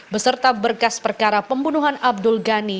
beserta berkas perkara pembunuhan abdul ghani